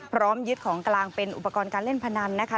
พร้อมยึดของกลางเป็นอุปกรณ์การเล่นพนันนะคะ